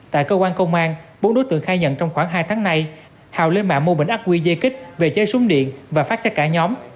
tại cơ quan công an bốn đối tượng khai nhận trong khoảng hai tháng nay hào lên mạng mua bình ác quy dây kích về chế súng điện và phát cho cả nhóm